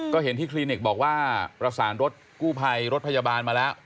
ก็เห็นที่คลินิกบอกว่าประสานรถกู้ภัยรถพยาบาลมาแล้ว